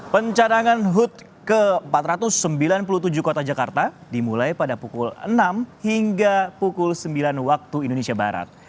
pencadangan hud ke empat ratus sembilan puluh tujuh kota jakarta dimulai pada pukul enam hingga pukul sembilan waktu indonesia barat